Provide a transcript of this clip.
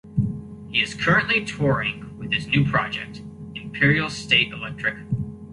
He is currently touring with his new project, Imperial State Electric.